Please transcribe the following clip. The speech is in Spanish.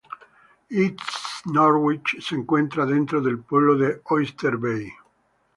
East Norwich se encuentra dentro del pueblo de Oyster Bay.